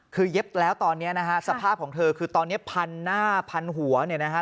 คือเย็บแล้วตอนนี้นะฮะสภาพของเธอคือตอนนี้พันหน้าพันหัวเนี่ยนะฮะ